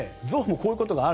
象もこういうことがある。